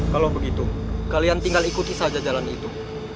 kalau begitu kalian tinggal ikuti saja jalan itu